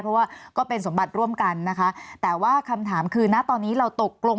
เพราะว่าก็เป็นสมบัติร่วมกันนะคะแต่ว่าคำถามคือนะตอนนี้เราตกลง